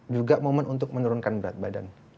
juga momen untuk menurunkan berat badan